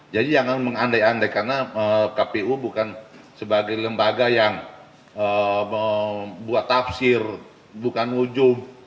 jadi jangan mengandai andai karena kpu bukan sebagai lembaga yang membuat tafsir bukan wujud